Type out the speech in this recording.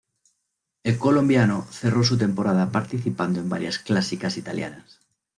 El colombiano cerró su temporada participando en varias clásicas italianas.